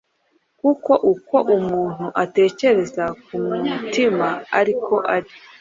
"Kuko uko (umuntu ) atekereza ku mutima ari ko ari".